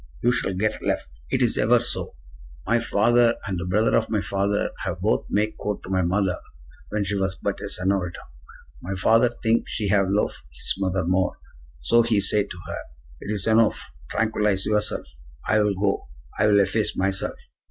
You shall get left. It is ever so. My father and the brother of my father have both make court to my mother when she was but a senorita. My father think she have lofe his brother more. So he say to her: 'It is enofe; tranquillize yourself. I will go. I will efface myself.